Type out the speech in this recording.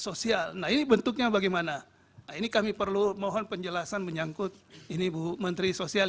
sosial nah ini bentuknya bagaimana ini kami perlu mohon penjelasan menyangkut ini bu menteri sosial